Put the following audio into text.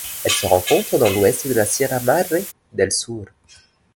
Elle se rencontre dans l'ouest de la Sierra Madre del Sur.